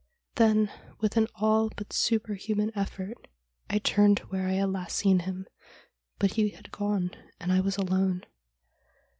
Then, with an all but superhuman effort, I turned to where I had last seen him. But he had gone, and I was alone.